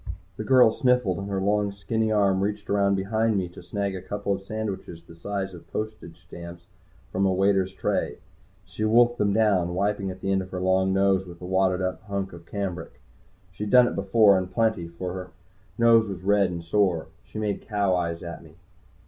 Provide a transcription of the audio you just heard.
The girl sniffled, and her long skinny arm reached around behind me to snag a couple sandwiches the size of postage stamps from a waiter's tray. She wolfed them down, wiping at the end of her long nose with a wadded up hunk of cambric. She'd done it before, and plenty, for her nose was red and sore. She made cow eyes at me.